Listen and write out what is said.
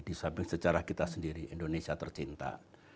di samping sejarah kita sendiri indonesia tercinta